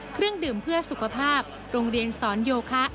เครื่องดื่มเพื่อสุขภาพโรงเรียนสอนโยคะ